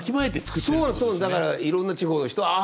だからいろんな地方の人